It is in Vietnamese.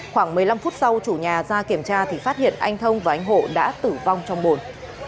khoảng một mươi năm phút sau chủ nhà ra kiểm tra thì phát hiện anh thông và anh hộ đã tử vong trong bồn